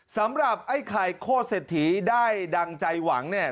สำหรับไอ้ไข่โคตรเศรษฐีได้ดังใจหวังเนี่ย